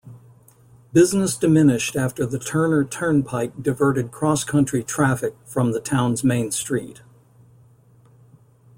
Business diminished after the Turner Turnpike diverted cross-country traffic from the town's main street.